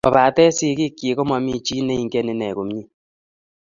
Kopate sigik chi komami chi age ne ingen ine komie